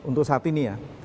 untuk saat ini ya